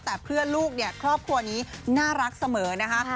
แต่เพื่อนลูกเนี่ยครอบครัวนี้น่ารักเสมอนะคะ